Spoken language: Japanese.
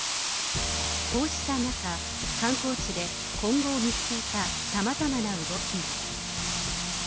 こうした中、観光地で今後を見据えたさまざまな動きが。